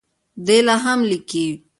دی لا هم لیکي.